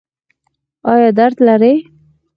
ایا درد لرئ؟